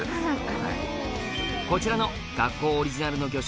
こちらの学校オリジナルの魚醤